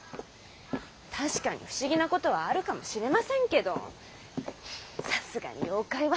確かに不思議なことはあるかもしれませんけどさすがに妖怪は。